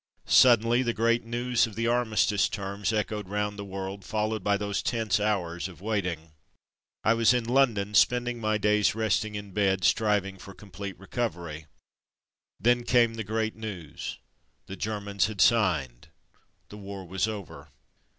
Suddenly the great news of the Armistice Terms echoed round the world, followed by those tense hours of waiting. I was in London, spending my days rest ing in bed, striving for complete recovery. Then came the great news. The Germans had signed. The war was over.